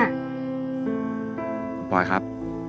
คุณปอยครับ